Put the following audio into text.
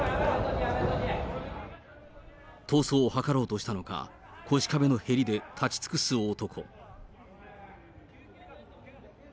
逃走を図ろうとしたのか、腰壁のへりで立ち尽くす男。